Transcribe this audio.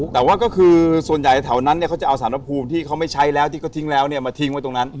แต่ว่าก็คือส่วนใหญ่แถวนั้นเนี่ยเขาจะเอาสารภูมิที่เขาไม่ใช้แล้วที่เขาทิ้งแล้วเนี่ยมาทิ้งไว้ตรงนั้น